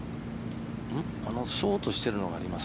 ショートしてるのがあります。